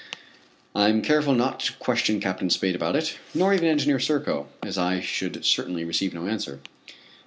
I am careful not to question Captain Spade about it, nor even Engineer Serko, as I should certainly receive no answer.